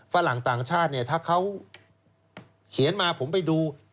ฝรั่งต่างชาติเนี่ยถ้าเขาเขียนมาผมไปดู